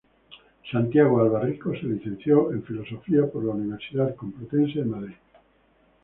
Santiago Alba Rico se licenció en Filosofía en la Universidad Complutense de Madrid.